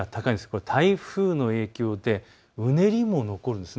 これは台風の影響でうねりも残るんです。